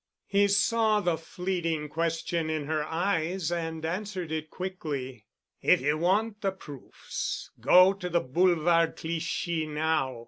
He saw the fleeting question in her eyes and answered it quickly. "If ye want the proofs——go to the Boulevard Clichy now."